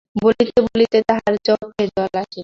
বলিতে বলিতে তাঁহার চক্ষে জল আসিল।